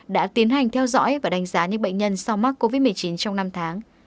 đã tiến hành theo dõi và đánh giá những bệnh nhân sau mắc covid một mươi chín trong năm tháng